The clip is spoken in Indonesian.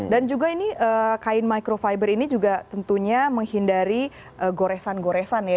dan juga ini kain microfiber ini juga tentunya menghindari goresan goresan ya